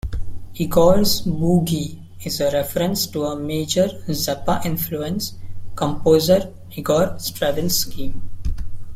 "Igor's Boogie" is a reference to a major Zappa influence, composer Igor Stravinsky.